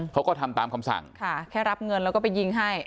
เขาก็ทำตามคำสั่งค่ะแค่รับเงินแล้วก็ไปยิงให้